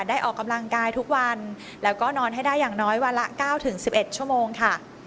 ได้ออกกำลังกายทุกวันแล้วก็นอนให้ได้อย่างน้อยวันละเก้าถึงสิบเอ็ดชั่วโมงค่ะ